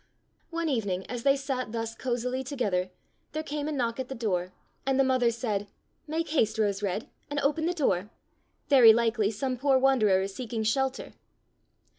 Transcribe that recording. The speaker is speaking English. One evening as they sat thus cosily to gether there came a knock at the door, and the mother said: ''Make haste. Rose red, and open the door. Very likely some poor wanderer is seeking shelter."